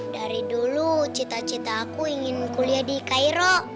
dari dulu cita cita aku ingin kuliah di cairo